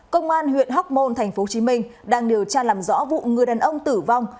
công an huyện hóc môn tp hcm đang điều tra làm rõ vụ người đàn ông tử vong